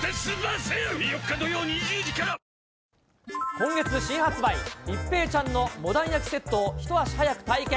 今月新発売、一平ちゃんのモダン焼きセットを一足早く体験。